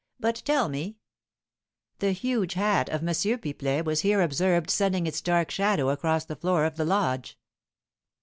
But tell me " The huge hat of M. Pipelet was here observed sending its dark shadow across the floor of the lodge.